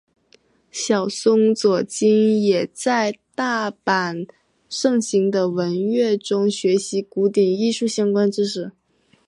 小松左京也在大阪盛行的文乐中学习古典艺术相关知识。